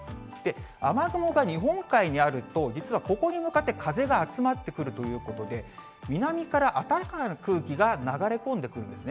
雨雲が日本海にあると実はここに向かって風が集まってくるということで、南から暖かな空気が流れ込んでくるんですね。